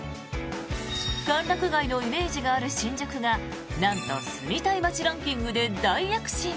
歓楽街のイメージがある新宿がなんと住みたい街ランキングで大躍進。